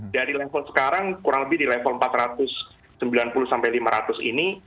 dari level sekarang kurang lebih di level empat ratus sembilan puluh sampai lima ratus ini